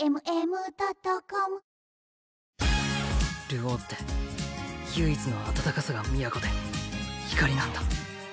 流鶯って唯一の温かさが都で光なんだ。